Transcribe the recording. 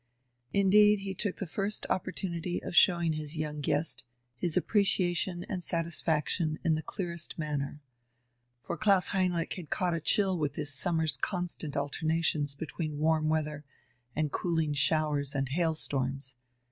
Indeed, he took the first opportunity of showing his young guest his appreciation and satisfaction in the clearest manner. For Klaus Heinrich had caught a chill with this summer's constant alternations between warm weather and cooling showers and hailstorms.